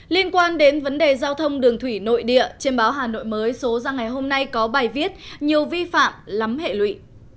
liên quan đến vấn đề giao thông đường thủy nội địa trên báo hà nội mới số ra ngày hôm nay có bài viết nhiều vi phạm lắm hệ lụy